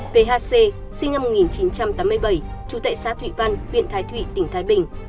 phc sinh năm một nghìn chín trăm tám mươi bảy trú tại xã thụy văn huyện thái thụy tỉnh thái bình